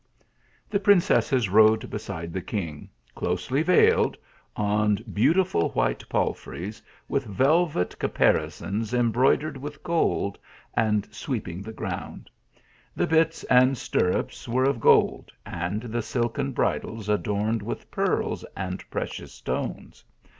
The princesses rode beside the king, closely veiled, on beautiful white palfreys, with velvet caparisons embroidered with gold, and sweeping the ground ; the bits and stirrups were of gold, and the silken bridles adorned with pearls and precious stones.